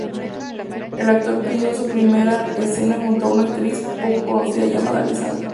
El actor rodó su primera escena junto a una actriz poco conocida llamada Alessandra.